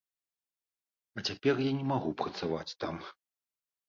А цяпер я не магу працаваць там.